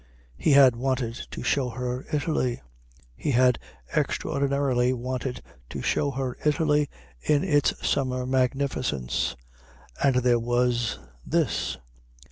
He had wanted to show her Italy, he had extraordinarily wanted to show her Italy in its summer magnificence, and there was this.